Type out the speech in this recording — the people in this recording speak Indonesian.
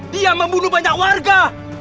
dia membunuh banyak warga